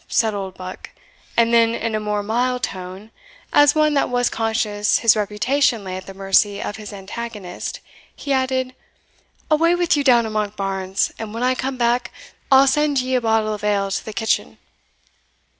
said Oldbuck; and then in a more mild tone, as one that was conscious his reputation lay at the mercy of his antagonist, he added "Away with you down to Monkbarns, and when I come back, I'll send ye a bottle of ale to the kitchen."